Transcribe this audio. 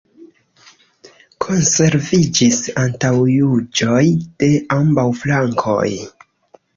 Konserviĝis antaŭjuĝoj de ambaŭ flankoj.